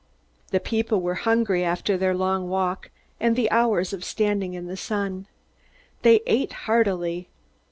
The people were hungry after their long walk and the hours of standing in the sun. They ate heartily.